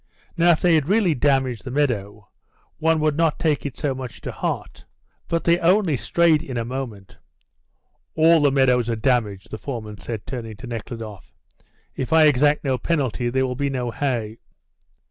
"Now, if they had really damaged the meadow, one would not take it so much to heart; but they only strayed in a moment." "All the meadows are damaged," the foreman said, turning to Nekhludoff. "If I exact no penalty there will be no hay."